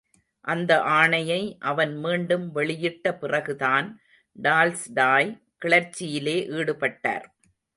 அந்த ஆணையை அவன் மீண்டும் வெளியிட்ட பிறகுதான் டால்ஸ்டாய் கிளர்ச்சியிலே ஈடுபட்டார்.